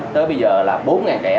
tới bây giờ là bốn trẻ